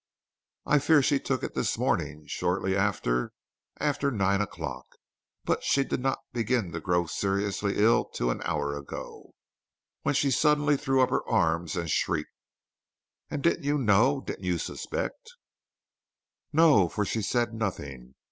"I fear she took it this morning, shortly after after nine o'clock; but she did not begin to grow seriously ill till an hour ago, when she suddenly threw up her arms and shrieked." "And didn't you know; didn't you suspect " "No, for she said nothing.